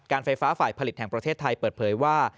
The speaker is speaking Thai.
ไฟฟ้าฝ่ายผลิตแห่งประเทศไทยเปิดเผยว่า